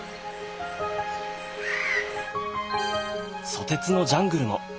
ソテツのジャングルも。